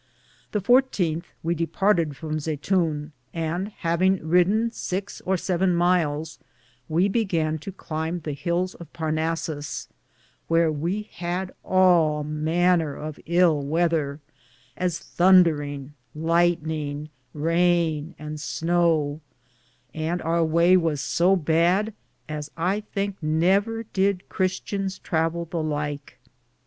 The 14th we departed from Zetoun, and haveing rid 6 or 7 myles, we began to climbe the hills of Parnassus, wheare we had all maner of ill wether, as thundringe, lightninge, rayne, and snow, and our waye was so bad as I thinke never did Christians travell the like.